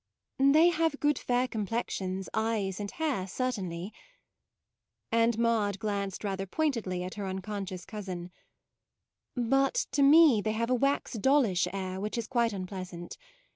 u They have good fair complex ions, eyes, and hair, certainly "; and Maude glanced rather pointedly at MAUDE 35 her unconscious cousin: " but to me they have a wax dollish air which is quite unpleasant.